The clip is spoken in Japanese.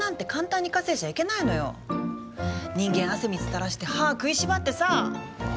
人間汗水たらして歯食いしばってさあ！